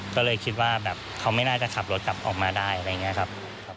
ก็เลยคิดว่าแบบเขาไม่น่าจะขับรถกลับออกมาได้อะไรอย่างนี้ครับ